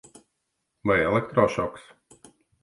Vai elektrošoks?